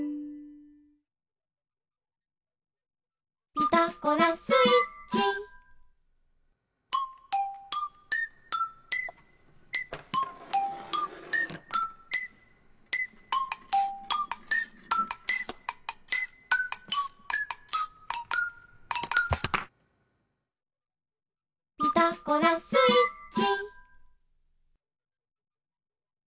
「ピタゴラスイッチ」「ピタゴラスイッチ」